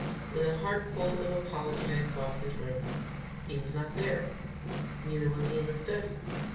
With a heartful of apology, I sought his room. He was not there. Neither was he in the study.